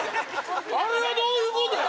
「あれはどういうことなん？」